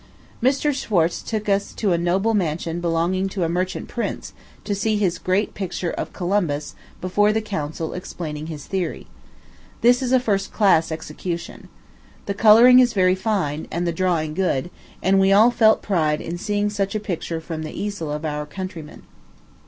Mr. Schwartze took us to a noble mansion belonging to a merchant prince, to see his great picture of Columbus before the Council explaining his theory. This is a first class execution. The coloring is very fine, and the drawing good; and we all felt pride in seeing such a picture from the easel of our countryman.